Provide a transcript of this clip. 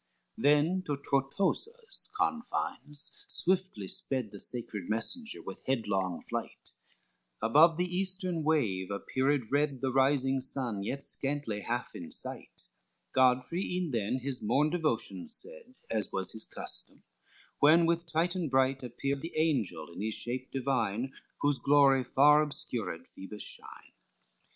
XV Then to Tortosa's confines swiftly sped The sacred messenger, with headlong flight; Above the eastern wave appeared red The rising sun, yet scantly half in sight; Godfrey e'en then his morn devotions said, As was his custom, when with Titan bright Appeared the angel in his shape divine, Whose glory far obscured Phoebus' shine.